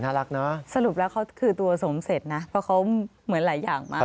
รักเนอะสรุปแล้วเขาคือตัวสมเสร็จนะเพราะเขาเหมือนหลายอย่างมาก